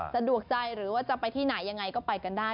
สะดวกใจหรือว่าจะไปที่ไหนยังไงก็ไปกันได้